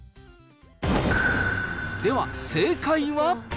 では、正解は。